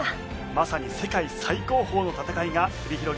まさに世界最高峰の戦いが繰り広げられました。